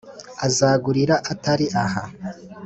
azagurira atari aha”